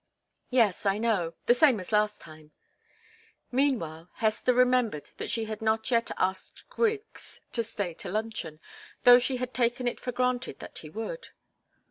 "Yes I know. The same as last time." Meanwhile, Hester remembered that she had not yet asked Griggs to stay to luncheon, though she had taken it for granted that he would.